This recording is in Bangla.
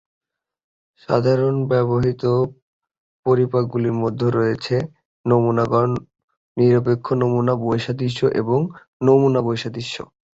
সাধারণত ব্যবহৃত পরিমাপকগুলির মধ্যে রয়েছে নমুনা গড়, নিরপেক্ষ নমুনা বৈসাদৃশ্য এবং নমুনা বৈসাদৃশ্য।